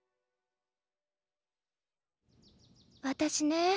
私ね